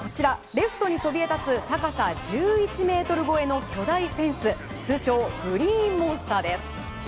レフトにそびえたつ高さ１１ｍ超えの巨大フェンス通称グリーンモンスターです。